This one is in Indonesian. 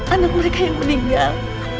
anak mereka yang meninggal